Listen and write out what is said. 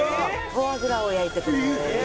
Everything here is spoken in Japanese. フォアグラを焼いてくれる。